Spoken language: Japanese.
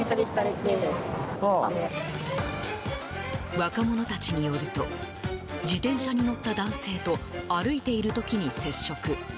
若者たちによると自転車に乗った男性と歩いている時に接触。